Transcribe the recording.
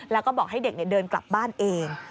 แล้วก็บอกให้เด็กเดินกลับบ้านเอง